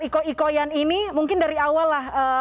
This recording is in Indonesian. iko ikoian ini mungkin dari awal